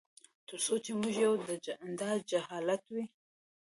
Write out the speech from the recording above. تر څو چي موږ یو داجهالت وي